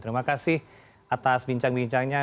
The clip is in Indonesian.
terima kasih atas bincang bincangnya